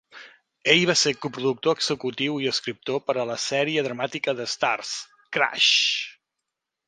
Ell va ser coproductor executiu i escriptor per a la sèrie dramàtica de Starz, "Crash".